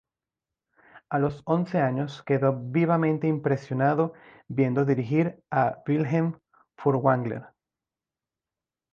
A los once años quedó vivamente impresionado viendo dirigir a Wilhelm Furtwängler.